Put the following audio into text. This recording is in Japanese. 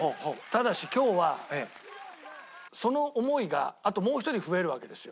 ただし今日はその思いがあともう一人増えるわけですよ。